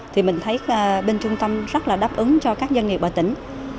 thì mình thấy bên trung tâm rất là đáp ứng cho các doanh nghiệp ở tỉnh